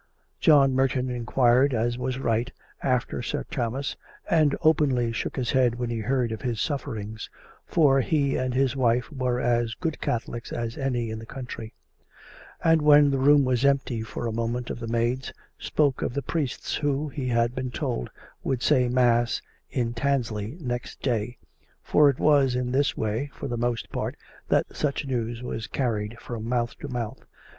John Merton inquired, as was right, after Sir Thomas, and openly shook his head when he heard of his sufferings (for he and his wife were as good Catholics as any in the country) ; and when the room was empty for a moment of the maids, spoke of a priest who, he had been told, would say mass in Tansley next day (for it was in this way, for the most part, that such news was carried from mouth to mouth).